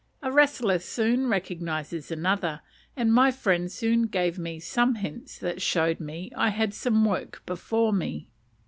A wrestler soon recognizes another, and my friend soon gave me some hints that showed me I had some work before me.